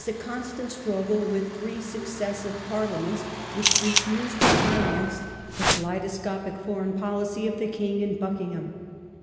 ^^ constant struggle with three successive Parliaments which refused to finance the kaleidoscopic foreign policy of the king and Buckingham.